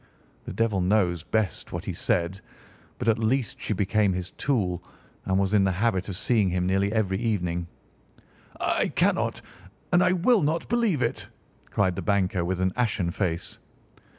The devil knows best what he said, but at least she became his tool and was in the habit of seeing him nearly every evening." "I cannot, and I will not, believe it!" cried the banker with an ashen face.